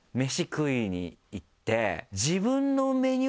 食いに行って。